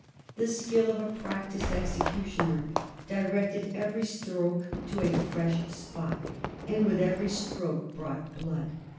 The skill of a practised executioner directed every stroke to a fresh spot, and with every stroke brought blood.